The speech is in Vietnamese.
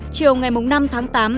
chiều ngày năm tháng tám